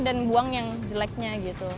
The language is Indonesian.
dan buang yang jeleknya gitu